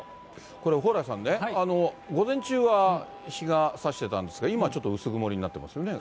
これ、蓬莱さんね、午前中は日がさしてたんですが、今ちょっと薄曇りになってますよね。